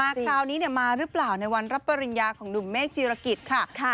คราวนี้มาหรือเปล่าในวันรับปริญญาของหนุ่มเมฆจีรกิจค่ะ